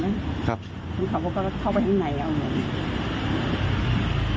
คนขับก็เข้าไปข้างในเอาหน่อย